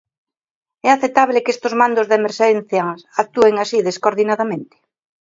¿É aceptable que estes mandos de emerxencias actúen así, descoordinadamente?